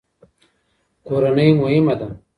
کورنۍ مهمه ده.